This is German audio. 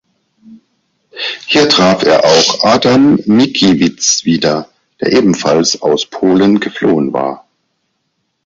Hier traf er auch Adam Mickiewicz wieder, der ebenfalls aus Polen geflohen war.